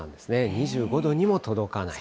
２５度にも届かない。